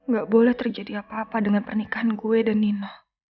gak boleh terjadi apa apa dengan pernikahan gue dan nina